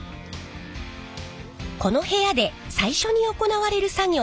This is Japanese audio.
この部屋で最初に行われる作業というのが。